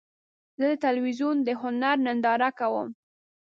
زه د تلویزیون د هنر ننداره کوم.